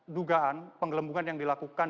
dugaan penggelembungan yang dilakukan